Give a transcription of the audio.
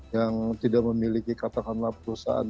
yang tidak memiliki katakanlah perusahaan